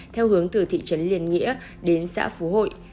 theo hướng từ thị trấn liên nghĩa đến xã phú hội